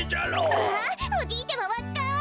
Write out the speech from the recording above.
わあおじいちゃまわかい！